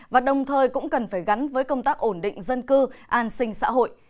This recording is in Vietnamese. và đồng thời cũng cần phải gắn với công tác ổn định dân cư an sinh xã hội